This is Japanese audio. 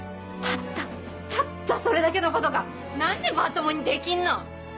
たったたったそれだけのことが何でまともにできんの！